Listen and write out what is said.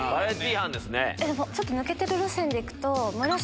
ちょっと抜けてる路線で行くと。